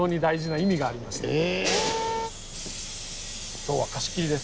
今日は貸し切りです。